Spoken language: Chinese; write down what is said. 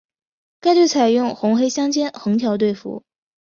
该队采用红黑相间横条队服。